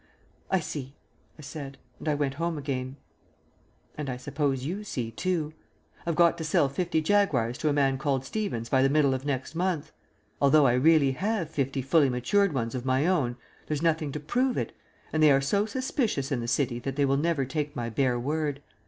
"I see," I said, and I went home again. And I suppose you see too. I've got to sell fifty Jaguars to a man called Stevens by the middle of next month. Although I really have fifty fully matured ones of my own, there's nothing to prove it, and they are so suspicious in the City that they will never take my bare word.